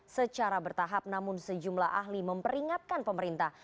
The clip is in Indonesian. secara bertahap namun sejumlah ahli memperingatkan pemerintah